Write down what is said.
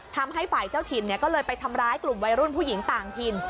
ทำให้ฝ่ายเจ้าถิ่นก็เลยไปทำร้ายกลุ่มวัยรุ่นผู้หญิงต่างถิ่น